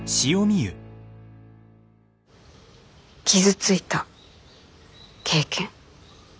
傷ついた経験。